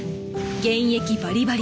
現役バリバリ。